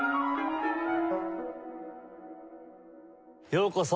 ようこそ